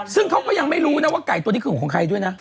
ซึ่งเขาก็ยังไม่รู้นะว่าไก่ตัวนี้คือของใครด้วยนะ